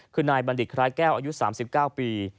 คือนายบัณฑิตคล้ายแก้วอายุ๓๙ปี